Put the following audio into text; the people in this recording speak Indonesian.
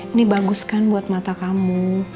ini bagus kan buat mata kamu